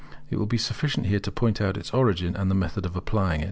It will be sufficient here to point out its origin and the method of applying it.